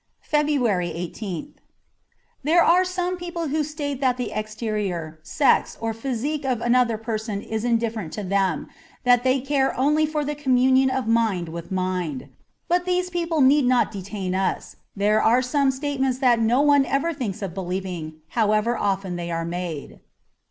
'' S3 FEBRUARY i8th THERE are some people who state that the exterior, sex, or physique of another person is indifferent to them, that they care only for the communion of mind with mind ; but these people need not detain us. There are some state ments that no one ever thinks of believing, however often they are made.